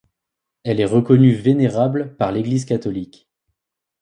Elle est reconnue vénérable par l'Eglise catholique.